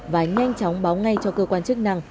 và nhanh chóng báo ngay cho cơ quan chức năng